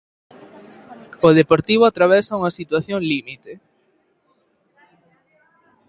O Deportivo atravesa unha situación límite.